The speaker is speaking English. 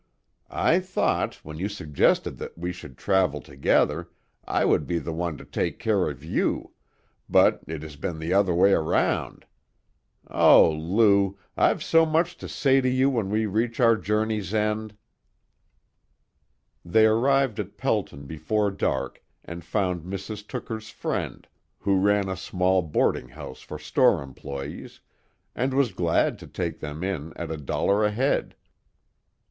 "I thought, when you suggested that we should travel together, I would be the one to take care of you, but it has been the other way around. Oh, Lou, I've so much to say to you when we reach our journey's end!" They arrived at Pelton before dark and found Mrs. Tooker's friend, who ran a small boarding house for store employees, and was glad to take them in at a dollar a head.